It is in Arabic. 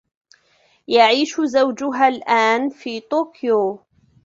يعيش زوجها الآن في طوكيو.